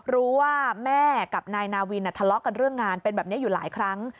รู้ว่าแม่กับนายนาวินทะเลาะกันเรื่องงานเป็นแบบนี้อยู่หลายครั้ง